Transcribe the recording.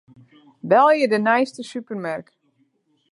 Belje de neiste supermerk.